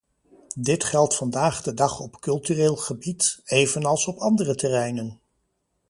Dit geldt vandaag de dag op cultureel gebied, evenals op andere terreinen.